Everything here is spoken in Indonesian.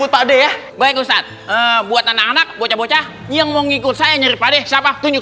pak ade ya baik ustadz buat anak anak bocah bocah yang mau ngikut saya nyari padeh siapa tunjuk